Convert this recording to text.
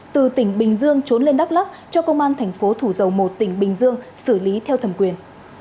từ tỉnh bình dương trốn lên đắk lắc cho công an thành phố thủ dầu một tỉnh bình dương xử lý theo thẩm quyền